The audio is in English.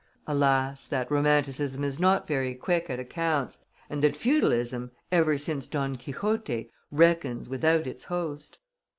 Alas, that romanticism is not very quick at accounts, and that feudalism, ever since Don Quixote, reckons without its host!